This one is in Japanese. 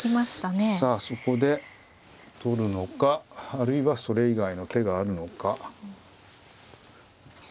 さあそこで取るのかあるいはそれ以外の手があるのか。